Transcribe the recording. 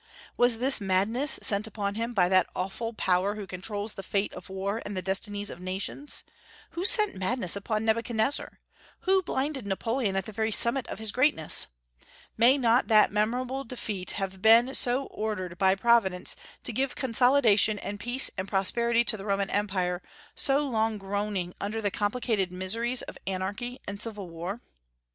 Was this madness sent upon him by that awful Power who controls the fate of war and the destinies of nations? Who sent madness upon Nebuchadnezzar? Who blinded Napoleon at the very summit of his greatness? May not that memorable defeat have been ordered by Providence to give consolidation and peace and prosperity to the Roman Empire, so long groaning under the complicated miseries of anarchy and civil war?